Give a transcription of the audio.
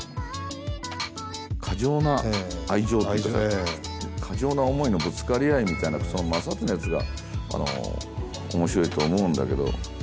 過剰な愛情っていうか過剰な思いのぶつかり合いみたいなその摩擦熱が面白いと思うんだけど。